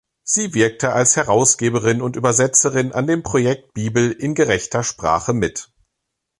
Sie wirkte als Herausgeberin und Übersetzerin an dem Projekt Bibel in gerechter Sprache mit.